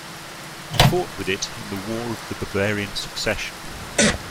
He fought with it in the War of the Bavarian Succession.